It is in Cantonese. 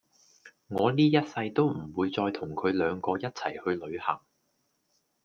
我哩一世都唔會再同佢兩個一齊去旅行